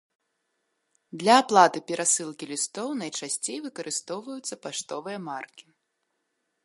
Для аплаты перасылкі лістоў найчасцей выкарыстоўваюцца паштовыя маркі.